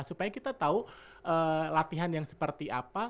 supaya kita tahu latihan yang seperti apa